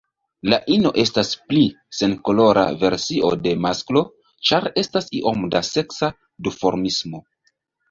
La ino estas pli senkolora versio de masklo, ĉar estas iom da seksa duformismo.